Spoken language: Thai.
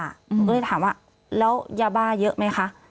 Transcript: หนูก็เลยถามว่าแล้วยาบ้าเยอะไหมคะ